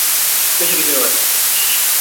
বেশি কিছু নয়।